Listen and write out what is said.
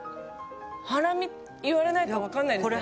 ハラミ言われないとわかんないですね。